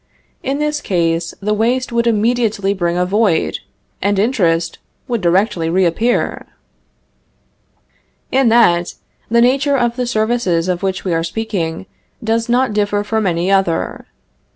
In this case, the waste would immediately bring a void, and interest would directly reappear. In that, the nature of the services of which we are speaking does not differ from any other.